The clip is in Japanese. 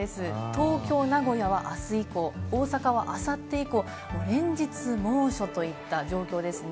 東京、名古屋はあす以降、大阪はあさって以降も連日猛暑といった状況ですね。